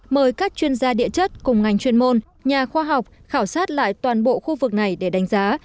mời các chuyên gia địa chất cùng ngành chuyên môn nhà khoa học khảo sát lại toàn bộ khu vực này để đánh giá